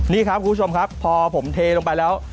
นี่ครับคุณผู้ชมครับพอผมเทลงไปแล้ว